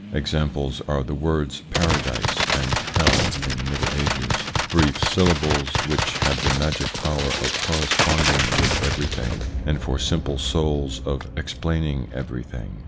Examples are the words Paradise and Hell in the Middle Ages, brief syllables which have the magic power of corresponding with everything, and for simple souls of explaining every thing.